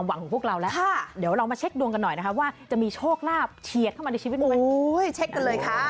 วันนี้วันเสาร์